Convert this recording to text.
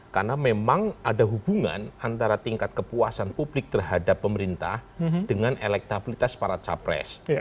karena memang ada hubungan antara tingkat kepuasan publik terhadap pemerintah dengan elektabilitas para capres